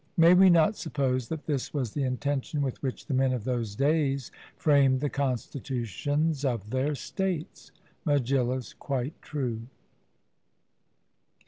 May we not suppose that this was the intention with which the men of those days framed the constitutions of their states? MEGILLUS: Quite true.